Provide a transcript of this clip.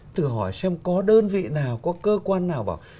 tự hỏi xem có đơn vị nào có cơ quan nào bảo